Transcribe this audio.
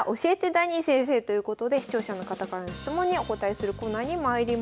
ダニー先生」ということで視聴者の方からの質問にお答えするコーナーにまいりましょう。